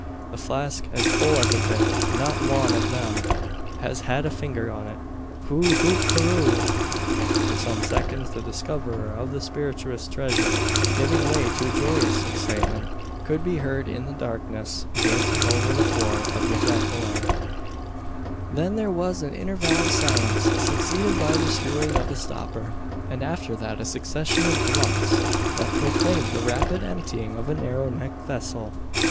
The flask as full as a tick not wan av them has had a finger on it. Hoo hoop hoorro!" For some seconds the discoverer of the spirituous treasure, giving way to a joyous excitement, could be heard in the darkness, dancing over the floor of the jacale. Then there was an interval of silence, succeeded by the screwing of a stopper, and after that a succession of "glucks," that proclaimed the rapid emptying of a narrow necked vessel.